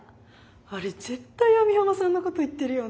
あれ絶対網浜さんのこと言ってるよね？